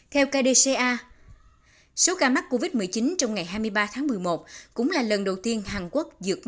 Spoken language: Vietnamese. theo kdca số ca mắc covid một mươi chín trong ngày hai mươi ba tháng một mươi một cũng là lần đầu tiên dịch bệnh của hàn quốc